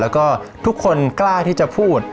แล้วก็ทุกคนกล้าที่จะพูด